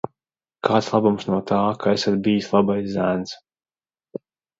Kāds labums no tā, ka esat bijis labais zēns?